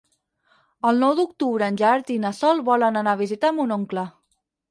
El nou d'octubre en Gerard i na Sol volen anar a visitar mon oncle.